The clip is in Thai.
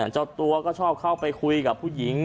เจ้าตัวก็ชอบเข้าไปคุยกับผู้หญิง